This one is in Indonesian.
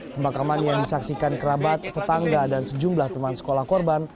pemakaman yang disaksikan kerabat tetangga dan sejumlah teman sekolah korban